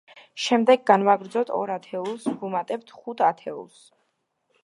შემდეგ განვაგრძოთ, ორ ათეულს ვუმატებთ ხუთ ათეულს.